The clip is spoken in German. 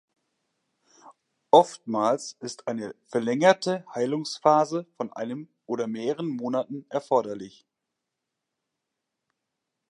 Oftmals ist eine verlängerte Heilungsphase von einem oder mehreren Monaten erforderlich.